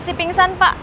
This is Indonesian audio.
masih pingsan pak